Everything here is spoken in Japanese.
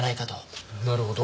なるほど。